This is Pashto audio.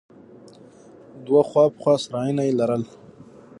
دوه خوا په خوا سرايونه يې لرل.